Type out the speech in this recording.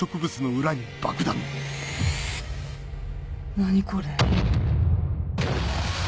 何これ。